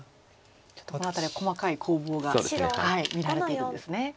ちょっとこの辺りは細かい攻防が見られてるんですね。